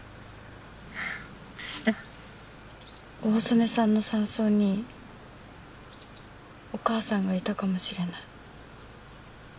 大曾根さんの山荘にお母さんがいたかもしれない。